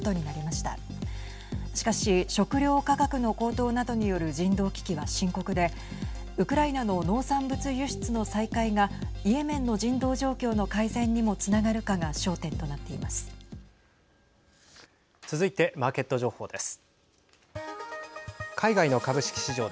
しかし、食料価格の高騰などによる人道危機は深刻でウクライナの農産物輸出の再開がイエメンの人道状況の改善にもつながるかが続いてマーケット情報です。